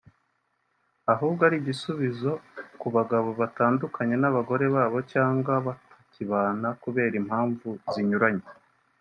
ahubwo ari igisubizo ku bagabo batandukanye n’abagore babo cyangwa batakibana kubera impamvu zinyuranye